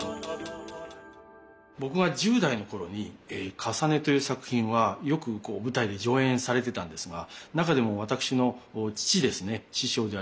僕が１０代の頃に「かさね」という作品はよく舞台で上演されてたんですが中でも私の父ですね師匠であります